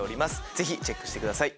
是非チェックしてください。